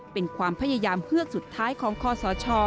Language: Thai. เป็นความพยายามเฮือกสุดท้ายของคอสช